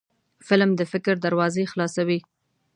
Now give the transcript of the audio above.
فلم د فکر دروازې خلاصوي